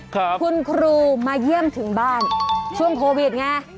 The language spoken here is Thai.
คุณครูมาเยี่ยมถึงบ้านช่วงโควิดไง